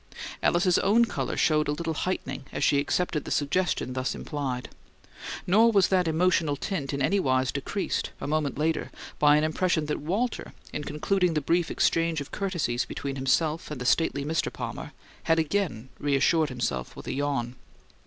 Alice's own colour showed a little heightening as she accepted the suggestion thus implied; nor was that emotional tint in any wise decreased, a moment later, by an impression that Walter, in concluding the brief exchange of courtesies between himself and the stately Mr. Palmer, had again reassured himself with a yawn.